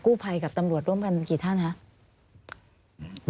ภัยกับตำรวจร่วมกันกี่ท่านครับ